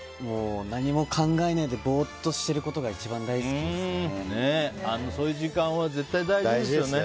何も考えないでボーッとしていることがそういう時間は絶対大事ですよね。